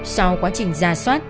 sau quá trình giả soát